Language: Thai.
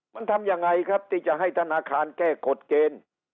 มันทำยังไงครับที่จะให้ธนาคารแก้กฎเกณฑ์